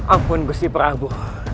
ampun gusti prabu